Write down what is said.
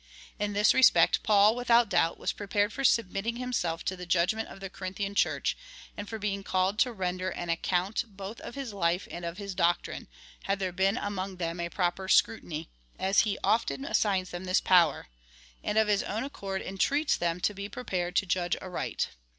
In this respect Paul, without doubt, was prepared for submitting himself to the judgment of the Corinthian Church, and for being called to render an account both of his life and of his doctrine, had there been among them a proper scrutiny,^ as he often assigns them this power, and of his own accord entreats them to be prepared to judge aright.